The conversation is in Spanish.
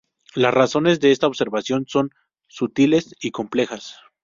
Las razones de esta observación son sutiles y complejas.